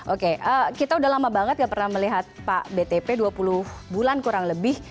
oke kita udah lama banget gak pernah melihat pak btp dua puluh bulan kurang lebih